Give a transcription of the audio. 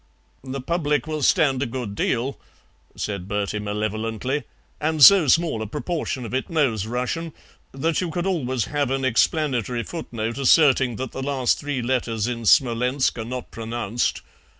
"The public will stand a good deal," said Bertie malevolently, "and so small a proportion of it knows Russian that you could always have an explanatory footnote asserting that the last three letters in Smolensk are not pronounced.